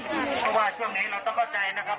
เพราะว่าช่วงนี้เราต้องเข้าใจนะครับ